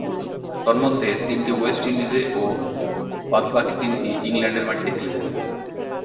তন্মধ্যে, তিনটি ওয়েস্ট ইন্ডিজে ও বাদ-বাকী তিনটি ইংল্যান্ডের মাটিতে খেলেছেন।